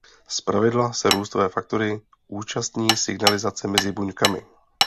Zpravidla se růstové faktory účastní signalizace mezi buňkami.